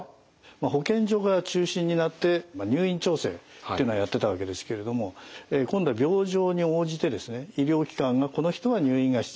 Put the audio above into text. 保健所が中心になって入院調整ってのはやってたわけですけれども今度は病状に応じて医療機関が「この人は入院が必要だ」